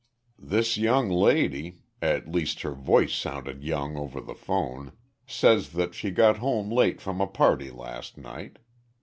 "This young lady at least her voice sounded young over the phone says that she got home late from a party last night.